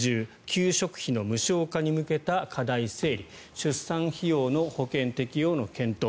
給食費の無償化に向けた課題整理出産費用の保険適用の検討